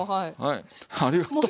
ありがとう。